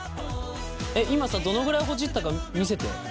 今どのくらいほじったか見せて。